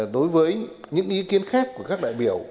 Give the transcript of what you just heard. đối với những ý kiến khác của các đại biểu